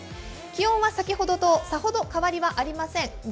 気温は先ほどとさほど変わりはありません。